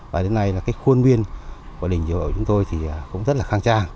và đến nay là cái khuôn viên của đình triều hội chúng tôi thì cũng rất là khang trang